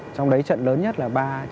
trong đấy trận lớn nhất là ba chín